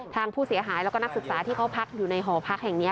ทางผู้เสียหายแล้วก็นักศึกษาที่เขาพักอยู่ในหอพักแห่งนี้